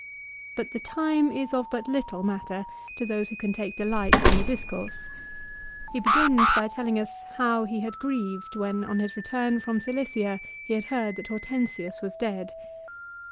But the time is of but little matter to those who can take delight in the discourse. He begins by telling us how he had grieved when on his return from Cilicia he had heard that Hortensius was dead.